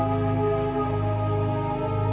alia pergi dulu ya